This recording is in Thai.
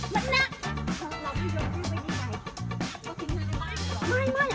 ไม่เอาที่นี่